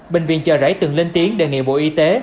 bệnh viện chợ rẫy từng lên tiếng đề nghị bộ y tế